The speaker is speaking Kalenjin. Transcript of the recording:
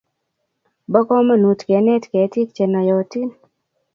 Bo komonut kenet ketik che noyotin